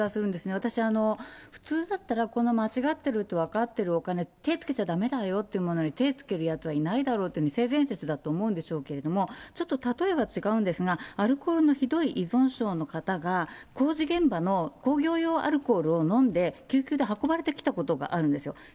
私、普通だったらこの間違ってると分かってるお金、手つけちゃだめだよっていうものに手をつける奴はいないだろうと、性善説だと思うんでしょうけれども、ちょっと例えは違うんですが、アルコールのひどい依存症の方が、工事現場の工業用アルコールを飲んで、救急で運ばれてきたことがあるんですよ。